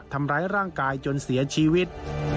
ทำร้ายร่างกายจนเสียชีวิต